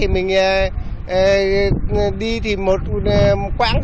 mình đi một quán